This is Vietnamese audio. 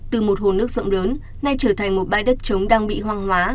từ một hồ nước rộng lớn nay trở thành một bãi đất trống đang bị hoang hóa